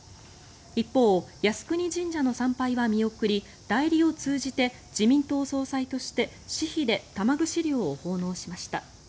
一方、靖国神社の参拝は見送り代理を通じて自民党総裁として私費で玉串料を奉納しました。